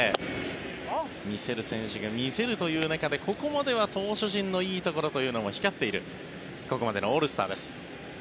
見せる選手が見せるという中でここまでは投手陣のいいところも光っているここまでのオールスターです。